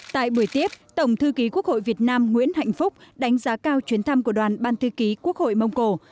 tại buổi tiếp tổng thư ký quốc hội việt nam nguyễn hạnh phúc đánh giá cao chuyến thăm của đoàn ban thư ký quốc hội mông cổ